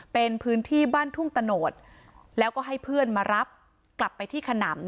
เป็นพื้นที่บ้านทุ่งตะโนธแล้วก็ให้เพื่อนมารับกลับไปที่ขนำ